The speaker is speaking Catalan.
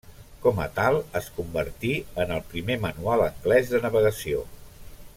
Como a tal, es convertí en el primer manual anglès de navegació.